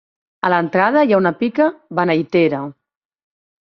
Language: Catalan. A l'entrada hi ha una pica beneitera.